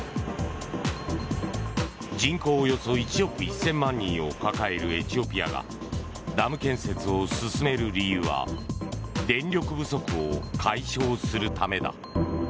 人口およそ１億１０００万人を抱えるエチオピアがダム建設を進める理由は電力不足を解消するためだ。